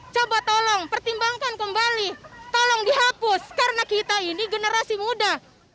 coba tolong pertimbangkan kembali tolong dihapus karena kita ini generasi muda